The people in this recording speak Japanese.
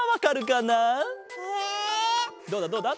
どうだどうだ？